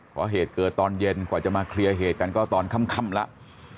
เพราะเหตุเกิดตอนเย็นกว่าจะมาเคลียร์เหตุกันก็ตอนค่ำแล้ว